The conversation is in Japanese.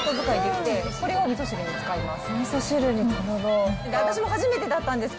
これをみそ汁に使います。